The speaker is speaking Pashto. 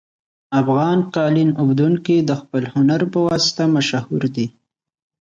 افغان قالین اوبدونکي د خپل هنر په واسطه مشهور دي